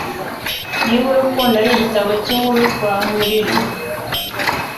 Niba urukundo arigitabo cyinkuru twahurira